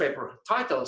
berkata seperti ini